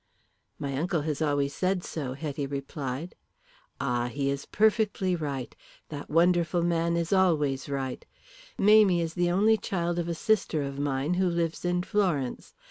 "My uncle has always said so," Hetty replied. "And he is perfectly right. That wonderful man always is right. Mamie is the only child of a sister of mine who lives in Florence.